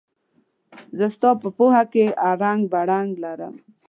زه ستا په پوهه کې اړنګ بړنګ لرم.